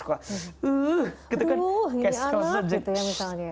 uhhh gini anak gitu ya misalnya